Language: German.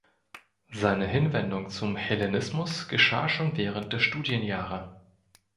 Seine Hinwendung zum Hellenismus geschah schon während der Studienjahre.